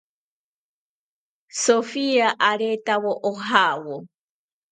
Sofia aretawo ojawo